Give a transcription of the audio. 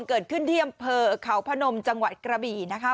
เกิดขึ้นที่อำเภอเขาพนมจังหวัดกระบี่นะคะ